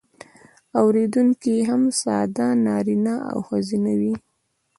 اوریدونکي یې هم ساده نارینه او ښځینه وي.